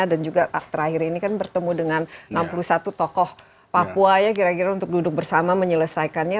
dan juga terakhir ini kan bertemu dengan enam puluh satu tokoh papua ya kira kira untuk duduk bersama menyelesaikannya